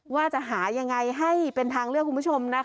ว่าจะหายังไงให้เป็นทางเลือกคุณผู้ชมนะคะ